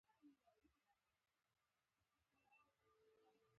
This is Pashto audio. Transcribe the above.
د تنباکو کښت په ځینو سیمو کې شته